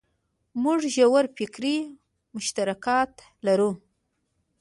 موږ ژور فکري مشترکات لرو.